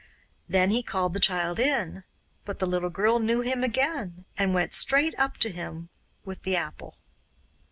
Then he called the child in, but the little girl knew him again, and went straight up to him with the apple.